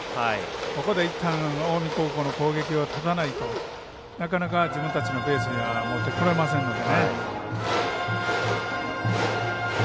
ここでいったん近江高校の攻撃を断たないとなかなか自分たちのペースにはもってこれませんので。